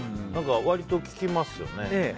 割と聞きますよね。